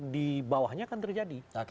di bawahnya akan terjadi